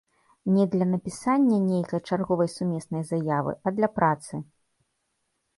Не для напісання нейкай чарговай сумеснай заявы, а для працы.